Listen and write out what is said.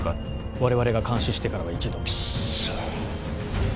我々が監視してからは一度もくっそ！